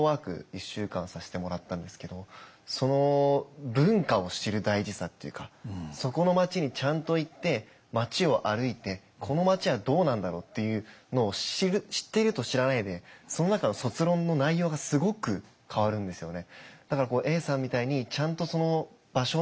僕も文化を知る大事さっていうかそこの街にちゃんと行って街を歩いてこの街はどうなんだろうっていうのを知る知っていると知らないでその中の卒論の内容がすごく変わるんですよね。